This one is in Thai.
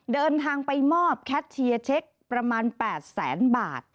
เดินทางไปมอบแคทเชียร์เช็คประมาณ๘แสนบาท